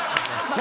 何？